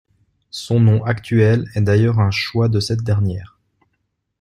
Son nom actuel est d'ailleurs un choix de cette dernière.